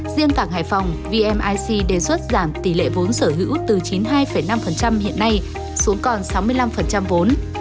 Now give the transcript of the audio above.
riêng cảng hải phòng vmic đề xuất giảm tỷ lệ vốn sở hữu từ chín mươi hai năm hiện nay xuống còn sáu mươi năm vốn